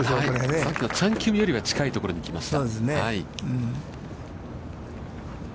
さっきのチャン・キムよりは、近いところに来ました。